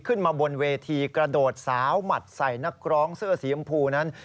ขึ้นมาบนเวทีกระโดดสาวหมัดใส่นักร้องเสื้อสีชมพูนั้น